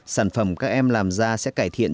sản phẩm các em làm ra sẽ cải thiện